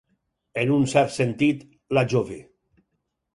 En un cert sentit, la jove.